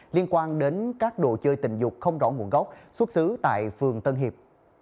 liên quan đến các đồ chơi tình dục không rõ nguồn gốc xuất xứ tại phường tân hiệp